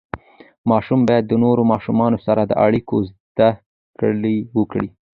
ماشوم باید د نورو ماشومانو سره د اړیکو زده کړه وکړي.